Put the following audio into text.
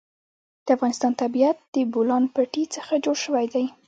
د افغانستان طبیعت له د بولان پټي څخه جوړ شوی دی.